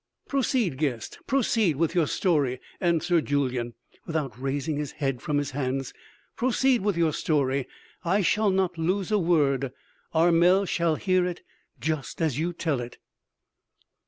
"Proceed, guest, proceed with your story," answered Julyan, without raising his head from his hands; "proceed with your story; I shall not lose a word.... Armel shall hear it just as you tell it."